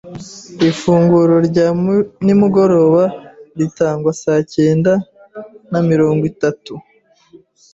Ifunguro rya nimugoroba ritangwa saa cyenda na mirongo itatu.